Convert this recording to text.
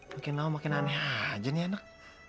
makin lama makin aneh aja nih anak